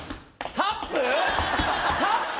タップ？